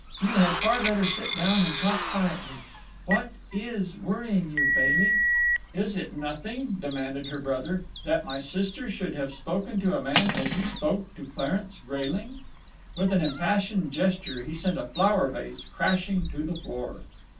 You had far better sit down and talk quietly. What is worrying you, Bailey?" "Is it nothing," demanded her brother, "that my sister should have spoken to a man as you spoke to Clarence Grayling?" With an impassioned gesture he sent a flower vase crashing to the floor.